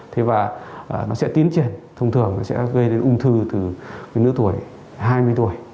thế và nó sẽ tiến triển thông thường sẽ gây đến ung thư từ nữ tuổi hai mươi tuổi